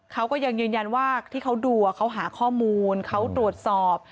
เขาก็ยังยืนยันว่าที่เขาดูเขาหาข้อมูลเขาตรวจสอบ